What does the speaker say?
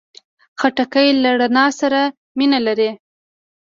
خټکی له رڼا سره مینه لري.